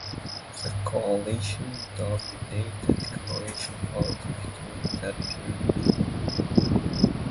The Coalition dominated Croatian politics during that period.